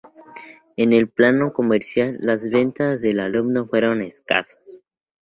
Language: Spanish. En el plano comercial, las ventas del álbum fueron escasas.